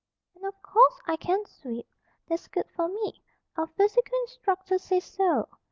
"And, of course, I can sweep. That's good for me. Our physical instructor says so.